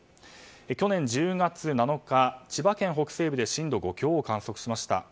去年１０月７日千葉県北西部で震度５強を観測しました。